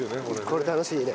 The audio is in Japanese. これ楽しいね。